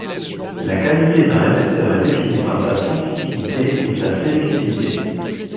La qualité d'un récepteur est définie par sa sensibilité et sa sélectivité.